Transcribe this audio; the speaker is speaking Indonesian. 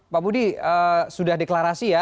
pak budi sudah deklarasi ya